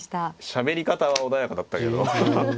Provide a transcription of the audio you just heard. しゃべり方は穏やかだったけど。